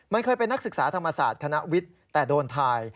มันเคยเป็นนักศึกษาธรรมศาสตร์คณะวิทย์แต่โดนทาย